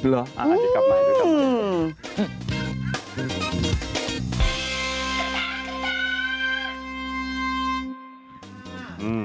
หรืออาจจะกลับมา